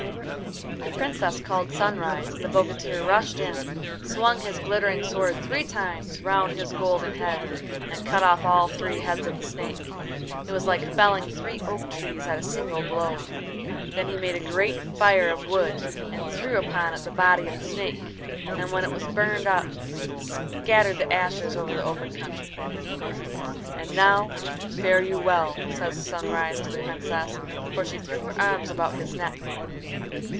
The Princess called Sunrise, and the bogatir rushed in, swung his glittering sword three times round his golden head, and cut off all three heads of the snake. It was like felling three oak trees at a single blow. Then he made a great fire of wood, and threw upon it the body of the snake, and, when it was burnt up, scattered the ashes over the open country. "And now fare you well," says Sunrise to the Princess; but she threw her arms about his neck.